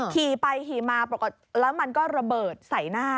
ขี่ไปขี่มาปรากฏแล้วมันก็ระเบิดใส่หน้า